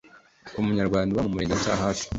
umunyarwanda uba mu murenge wa cyahafi